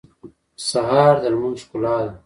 سهار د لمونځ ښکلا ده.